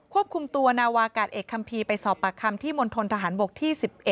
ควบคุมตัวนาวากาศเอกคัมภีร์ไปสอบปากคำที่มณฑนทหารบกที่๑๑